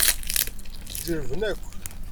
Ǧellben akk.